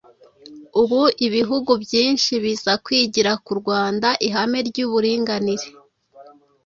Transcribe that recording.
Ubu ibihugu byinshi biza kwigira ku Rwanda ihame ry’uburinganire